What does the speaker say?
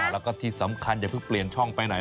แล้วก็ที่สำคัญอย่าเพิ่งเปลี่ยนช่องไปไหน